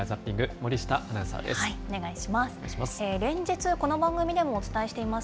森下アナウンサーでお願いします。